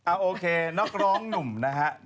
โอเคนักร้องหนุ่มนะฮะ